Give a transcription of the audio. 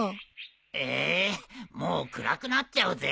えもう暗くなっちゃうぜ。